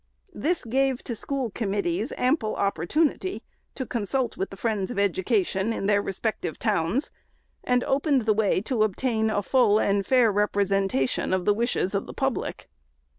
This gave to school com mittees ample opportunity to consult with the friends of Education, in their respective towns, and opened a way to obtain a full and fair representation of the wishes of the public.